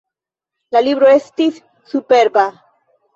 La libro estis superba.